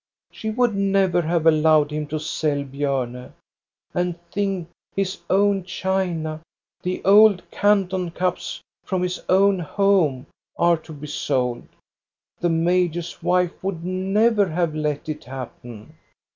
She would never have allowed him to sell Bjorne. And think, his own china, the old Can ton cups from his own home, are to be sold. The major's wife would never have let it happen."